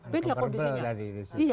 beda kok di sini